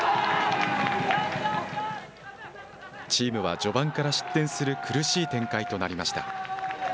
チームは序盤から失点する苦しい展開となりました。